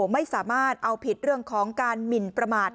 ไม่สามารถเอาผิดเรื่องของการหมินประมาท